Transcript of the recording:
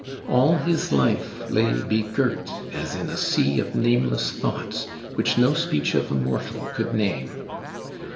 All his life lay begirt as in a sea of nameless Thoughts, which no speech of a mortal could name.